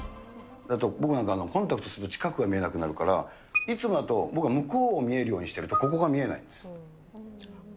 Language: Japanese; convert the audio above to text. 僕なんかコンタクトすると、近くが見えなくなるから、いつもだと僕は向こうを見えるようにしてると、ここが見えないんです。